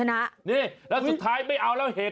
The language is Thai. นี่แล้วสุดท้ายไม่เอาเห็ด